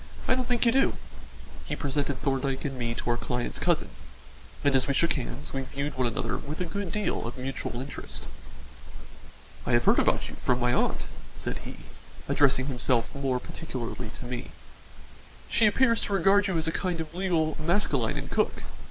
I don't think you do." He presented Thorndyke and me to our client's cousin, and as we shook hands, we viewed one another with a good deal of mutual interest. "I have heard about you from my aunt," said he, addressing himself more particularly to me. "She appears to regard you as a kind of legal Maskelyne and Cooke.